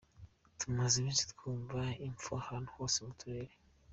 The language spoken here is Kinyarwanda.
Tumaze iminsi twumva impfu ahantu hose mu turere.